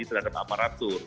yang terjadi terhadap aparatur